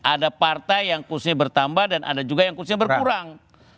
ada partai yang kursinya bertambah dan ada juga yang kursinya berkurang